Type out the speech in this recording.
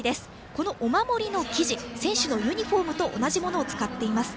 このお守りの生地は選手のユニフォームと同じものを使っています。